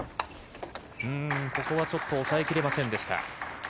ここはちょっと押さえ切れませんでした。